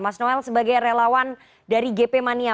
mas noel sebagai relawan dari gp mania